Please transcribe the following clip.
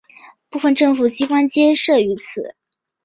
部分政府机关皆设于此。